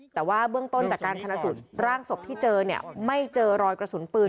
แต่ว่าเบื้องต้นจากการชนะสูตรร่างศพที่เจอเนี่ยไม่เจอรอยกระสุนปืน